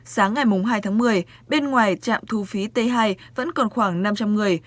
sáng ngày hai tháng một mươi bên ngoài trạm thu phí t hai vẫn còn khoảng năm trăm linh người